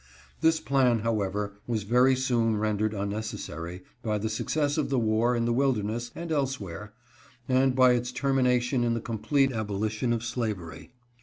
436 AN INCIDENT. This plan, however, was very soon rendered unneces sary, by the success of the war in the Wilderness and elsewhere, and by its termination in the complete aboli tion of slavery.